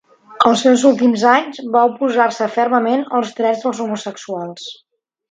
Els seus últims anys, va oposar-se fermament als drets dels homosexuals.